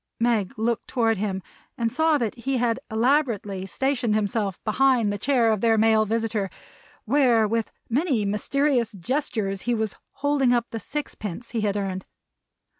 Meg looked toward him and saw that he had elaborately stationed himself behind the chair of their male visitor, where with many mysterious gestures he was holding up the six pence he had earned.